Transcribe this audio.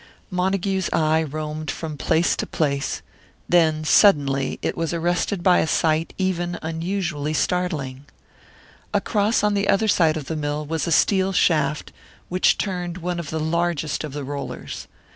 Montague's eye roamed from place to place; then suddenly it was arrested by a sight even unusually startling. Across on the other side of the mill was a steel shaft, which turned one of the largest of the rollers.